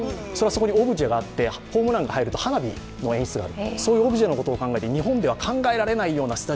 オブジェがあって、ホームランが入ると花火の演出がある。